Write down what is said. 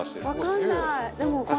わかんない。